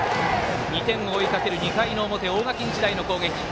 ２点を追いかける２回の表大垣日大の攻撃。